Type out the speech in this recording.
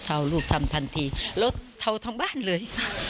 เอาลูกทำทันทีรถเทาทั้งบ้านเลย